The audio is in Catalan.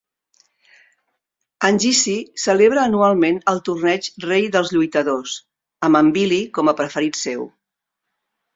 En Geese celebra anualment el torneig "Rei dels lluitadors" amb en Billy com a preferit seu.